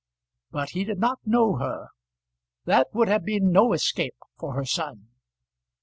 But he did not know her. That would have been no escape for her son.